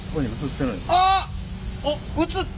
あっ！